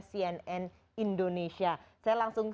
cnn indonesia saya langsung